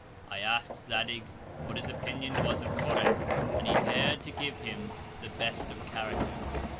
I ask'd Zadig what his Opinion was of Coreb; and he dar'd to give him the best of Characters.